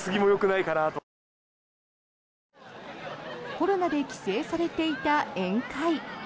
コロナで規制されていた宴会。